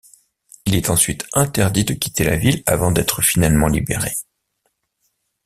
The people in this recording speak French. Il est ensuite interdit de quitter la ville avant d'être finalement libéré.